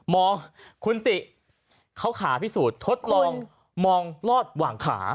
มองคุณติเค้าขาพิสูจน์ทดลองวางขา